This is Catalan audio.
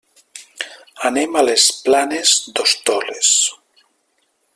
Anem a les Planes d'Hostoles.